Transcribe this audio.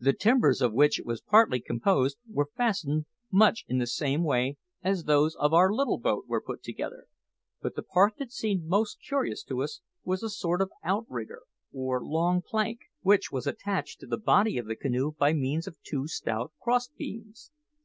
The timbers of which it was partly composed were fastened much in the same way as those of our little boat were put together; but the part that seemed most curious to us was a sort of outrigger, or long plank, which was attached to the body of the canoe by means of two stout cross beams.